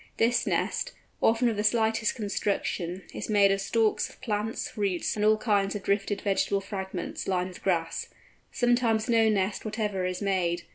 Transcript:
This nest, often of the slightest construction, is made of stalks of plants, roots, and all kinds of drifted vegetable fragments, lined with grass. Sometimes no nest whatever is made.